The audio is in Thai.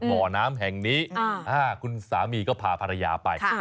บ่อน้ำแห่งนี้คุณสามีก็พาภรรยาไป